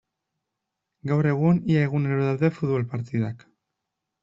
Gaur egun ia egunero daude futbol partidak.